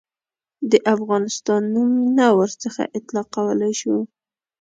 د افغانستان نوم نه ورڅخه اطلاقولای شو.